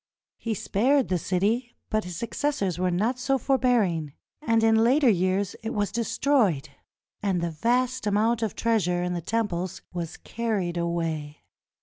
He spared the city, but his successors were not so forbearing, and in later years it was destroyed and the vast amount of treas ure in the temples was carried away.